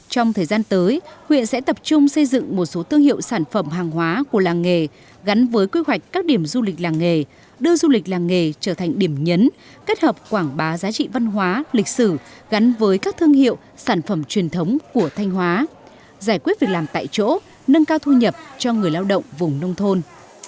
trong thời gian tới huyện sẽ tập trung xây dựng một số thương hiệu sản phẩm hàng hóa của làng nghề gắn với quy hoạch các điểm du lịch làng nghề đưa du lịch làng nghề trở thành điểm nhấn kết hợp quảng bá giá trị văn hóa lịch sử gắn với các thương hiệu sản phẩm truyền thống của thanh hóa giải quyết việc làm tại chỗ nâng cao thu nhập cho người lao động vùng nông thôn